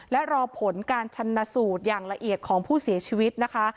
และรอผลการชันสูตรอย่างละเอียดของผู้เสียชีวิตนะคะ